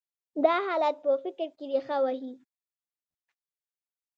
دا حالت په فکر کې رېښه وهي.